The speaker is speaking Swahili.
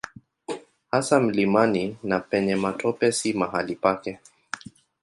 Hasa mlimani na penye matope si mahali pake.